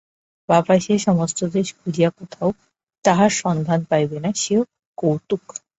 বাপ আসিয়া সমস্ত দেশ খুঁজিয়া কোথাও তাহার সন্ধান পাইবে না, সেও খুব কৌতুক।